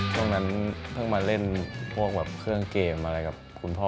ช่วงนั้นเพิ่งมาเล่นพวกแบบเครื่องเกมอะไรกับคุณพ่อ